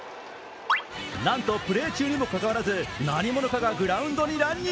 なんとプレー中にもかかわらず何者かがグラウンドに乱入。